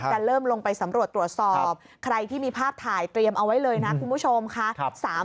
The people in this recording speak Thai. จะเริ่มลงไปสำรวจตรวจสอบใครที่มีภาพถ่ายเตรียมเอาไว้เลยนะคุณผู้ชมค่ะ